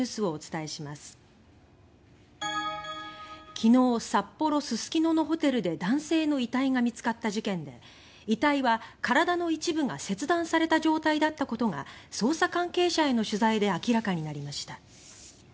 昨日、札幌・すすきののホテルで男性の遺体が見つかった事件で遺体は、体の一部が切断された状態だったことが捜査関係者への取材で明らかになりました。